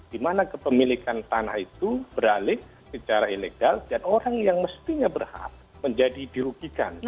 dimana kepemilikan tanah itu beralih secara ilegal dan orang yang mestinya berhak menjadi dirugikan